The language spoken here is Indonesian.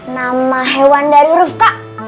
nama hewan dari huruf k